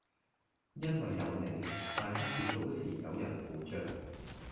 因為有你，大家跌倒時有人扶著